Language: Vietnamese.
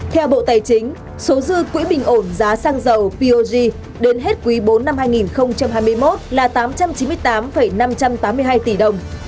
theo bộ tài chính số dư quỹ bình ổn giá xăng dầu pog đến hết quý bốn năm hai nghìn hai mươi một là tám trăm chín mươi tám năm trăm tám mươi hai tỷ đồng